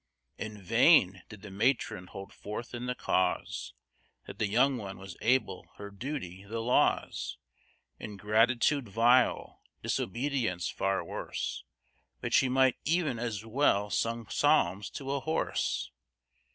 In vain did the matron hold forth in the cause, That the young one was able; her duty, the laws; Ingratitude vile, disobedience far worse; But she might e'en as well sung psalms to a horse.